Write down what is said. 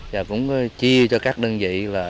và cũng chia cho các đơn vị